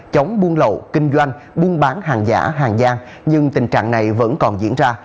chống buôn lậu kinh doanh buôn bán hàng giả hàng giang nhưng tình trạng này vẫn còn diễn ra